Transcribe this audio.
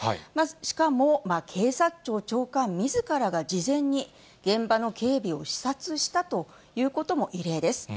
しかも、警察庁長官みずからが事前に現場の警備を視察したということも異例です。